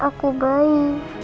terus aku bayi